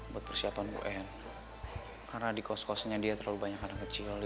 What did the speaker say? buat persiapan un karena di kos kosnya dia terlalu banyak anak kecil